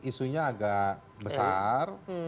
isunya agak besar